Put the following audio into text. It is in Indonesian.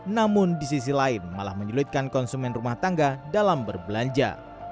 namun di sisi lain malah menyulitkan konsumen rumah tangga dalam berbelanja